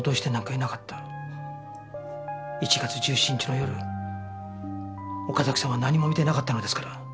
１月１７日の夜岡崎さんは何も見てなかったのですから。